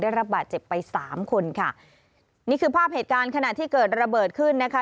ได้รับบาดเจ็บไปสามคนค่ะนี่คือภาพเหตุการณ์ขณะที่เกิดระเบิดขึ้นนะคะ